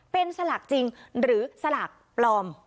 เป็นสลากจริงหรือสลากปลอม